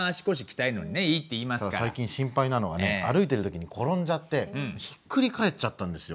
ただ最近心配なのはね歩いてる時に転んじゃってひっくり返っちゃったんですよ。